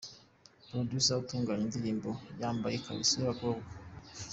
Producer utunganya indirimbo yambaye ikariso y’abakobwa’.